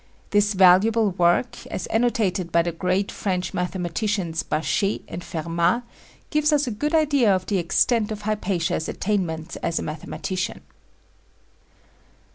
This valuable work, as annotated by the great French mathematicians Bachet and Fermat, gives us a good idea of the extent of Hypatia's attainments as a mathematician.